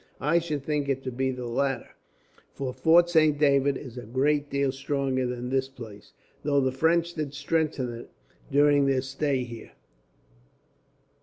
I should think it to be the latter, for Fort Saint David is a great deal stronger than this place, though the French did strengthen it during their stay here.